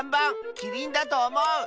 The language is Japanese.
キリンだとおもう！